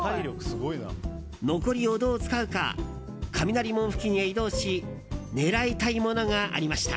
残りをどう使うか雷門付近へ移動し狙いたいものがありました。